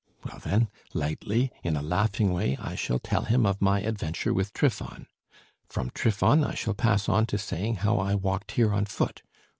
Well, then, lightly, in a laughing way, I shall tell him of my adventure with Trifon. From Trifon I shall pass on to saying how I walked here on foot....